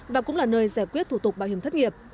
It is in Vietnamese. và cũng là nơi giải quyết thủ tục bảo hiểm thất nghiệp